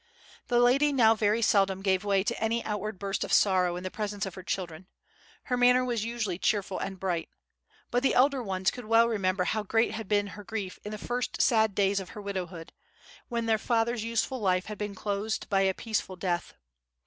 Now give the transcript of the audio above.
The lady now very seldom gave way to any outward burst of sorrow in the presence of her children; her manner was usually cheerful and bright; but the elder ones could well remember how great had been her grief in the first sad days of her widowhood, when their father's useful life had been closed by a peaceful death.